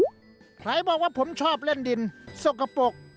ใครบอกว่าผมชอบเล่นดินสกปรก